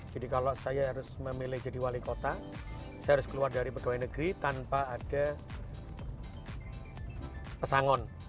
jadi kalau saya harus memilih jadi wali kota saya harus keluar dari pegawai negeri tanpa ada pesangon